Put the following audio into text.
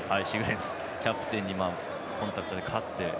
キャプテンにコンタクトで勝って。